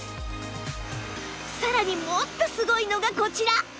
さらにもっとすごいのがこちら！